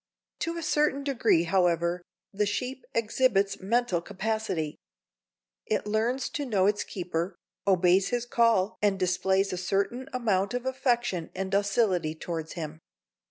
To a certain degree, however, the sheep exhibits mental capacity. It learns to know its keeper, obeys his call and displays a certain amount of affection and docility towards him.